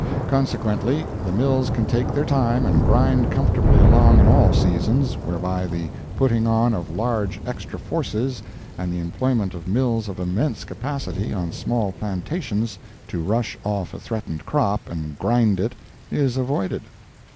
Consequently, the mills can take their time and grind comfortably along in all seasons, whereby the putting on of large extra forces and the employment of mills of immense capacity on small plantations to rush off a threatened crop and grind it is avoided.